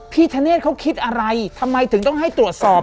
ธเนธเขาคิดอะไรทำไมถึงต้องให้ตรวจสอบ